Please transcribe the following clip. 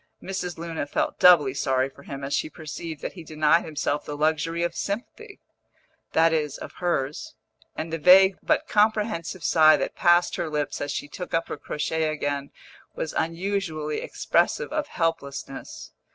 Mrs. Luna felt doubly sorry for him as she perceived that he denied himself the luxury of sympathy (that is, of hers), and the vague but comprehensive sigh that passed her lips as she took up her crochet again was unusually expressive of helplessness.